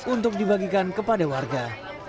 untuk dibagikan kepada warga